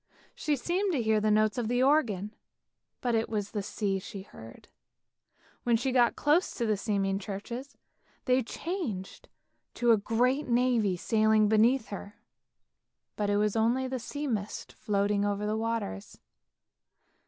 She seemed to hear the notes of the organ, but it was the sea she heard. When she got close to the seeming churches, they changed to a great navy sailing beneath her; but it was only a sea mist floating over the waters.